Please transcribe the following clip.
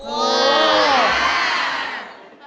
โอ้โห